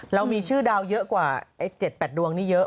เรามีชื่อดาวเยอะกว่า๗๘ดวงนี่เยอะ